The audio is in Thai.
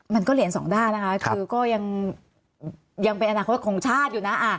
มันก็เหรียญสองด้านนะคะคือก็ยังเป็นอนาคตของชาติอยู่นะ